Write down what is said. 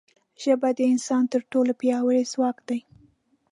ژبه د انسان تر ټولو پیاوړی ځواک دی